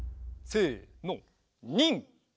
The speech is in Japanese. せの。